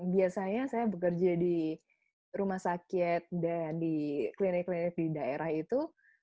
biasanya saya bekerja di rumah sakit dan di klinik klinik di daerah itu